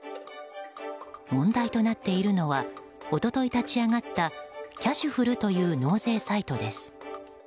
問題となっているのは一昨日立ち上がったキャシュふるという納税サイトです。